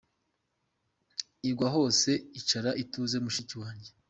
Igwa hose icara utuze mushiki wanjye.